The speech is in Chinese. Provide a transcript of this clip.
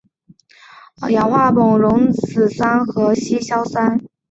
氟化汞溶于氢氟酸和稀硝酸。